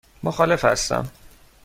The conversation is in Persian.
مخالف هستم.